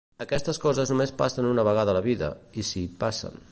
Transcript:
Aquestes coses només passen una vegada a la vida, i si passen.